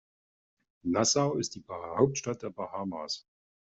Nassau ist die Hauptstadt der Bahamas.